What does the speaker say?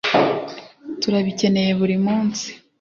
turabikeneye buri munsi.